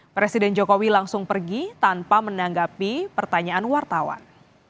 presiden jokowi langsung pergi tanpa menanggapi pertanyaan wartawan